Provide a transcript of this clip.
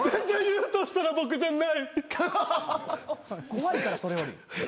怖いからそれより。